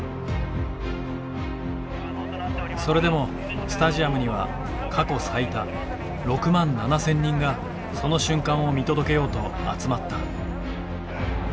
それでもスタジアムには過去最多６万７，０００人がその瞬間を見届けようと集まった。